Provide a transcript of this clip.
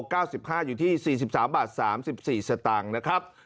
เก้าสิบห้าอยู่ที่สี่สิบสามบาทสามสิบสี่สตางค์นะครับ